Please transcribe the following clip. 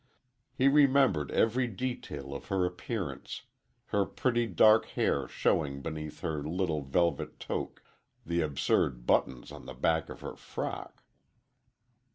He remembered every detail of her appearance, her pretty dark hair showing beneath her little velvet toque,—the absurd buttons on the back of her frock.